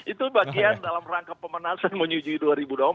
itu bagian dalam rangka pemanasan menuju dua ribu dua puluh empat